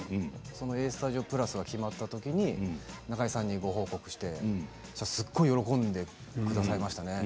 「Ａ−Ｓｔｕｄｉｏ＋」が決まった時に中居さんにご報告してすごい喜んでくださいましたね。